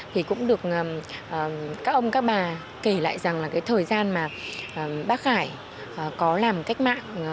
thì cũng được các ông các bà kể lại rằng là cái thời gian mà bác khải có làm cách mạng